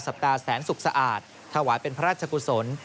ปัแสนสุขสะอาดถวายเป็นพระราชกุศล